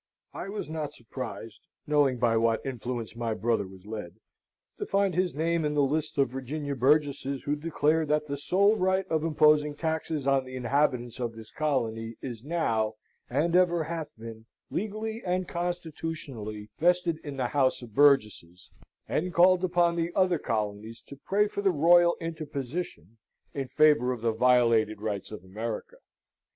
I was not surprised, knowing by what influences my brother was led, to find his name in the list of Virginia burgesses who declared that the sole right of imposing taxes on the inhabitants of this colony is now, and ever hath been, legally and constitutionally vested in the House of Burgesses, and called upon the other colonies to pray for the Royal interposition in favour of the violated rights of America.